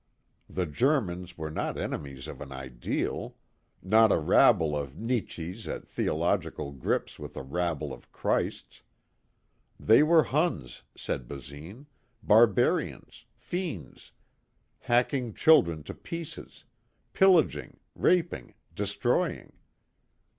The Germans were not enemies of an ideal not a rabble of Nietzsches at theological grips with a rabble of Christs. They were Huns, said Basine, barbarians, fiends, hacking children to pieces, pillaging, raping, destroying.